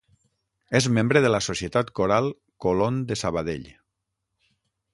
És membre de la Societat Coral Colon de Sabadell.